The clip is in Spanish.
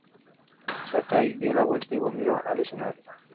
Sakai dio la vuelta y volvió al escenario.